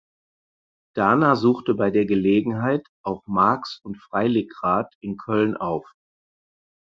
Dana suchte bei der Gelegenheit auch Marx und Freiligrath in Köln auf.